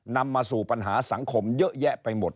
นำมาสู่ปัญหาสังคมเยอะแยะไปหมด